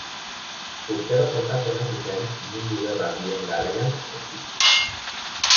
Urtero jokatzen hasi zen Mundu Gerra bien garaian ezik.